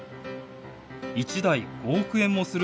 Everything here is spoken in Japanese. １台５億円もする